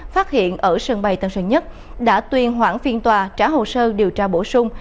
phát hiện ở sân bay tân sơn nhất đã tuyên hoãn phiên tòa trả hồ sơ điều tra bổ sung